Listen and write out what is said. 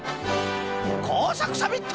こうさくサミット！